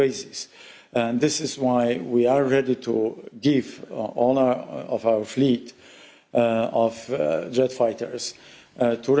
ini adalah sebabnya kita siap memberikan semua kapal kapal jet kita ke ramstein